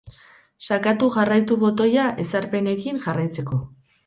Sakatu jarraitu botoia ezarpenekin jarraitzeko.